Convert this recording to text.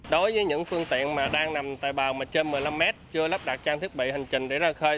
đối với những phương tiện đang nằm tại bào trên một mươi năm m chưa lắp đặt trang thiết bị hành trình để ra khơi